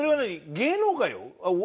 芸能界を？